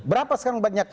berapa sekarang banyak